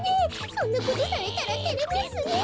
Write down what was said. そんなことされたらてれますねえ。